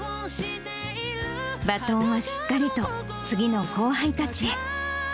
バトンはしっかりと次の後輩たちへ。